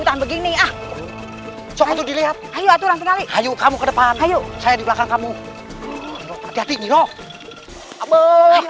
tahu allah bagaimana begini ah